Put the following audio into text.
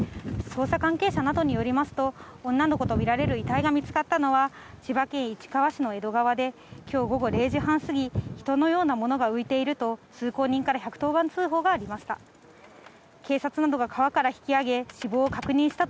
捜査関係者などによりますと、女の子と見られる遺体が見つかったのは、千葉県市川市の江戸川で、きょう午後０時半過ぎ、人のようなものが浮いていると、通行人から１１０番通報がありました。